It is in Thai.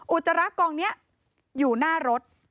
อุจจาระกองนี้อยู่หน้ารถ